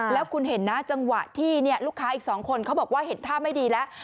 แล้วคุณเห็นนะจังหวะที่ลูกค้าอีก๒คนเขาบอกว่าเห็นท่าไม่ดีแล้ว